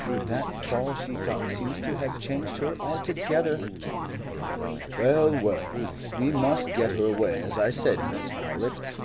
That fall she got seems to have changed her altogether." "Well, well, we must get her away, as I said, Mrs. Powlett.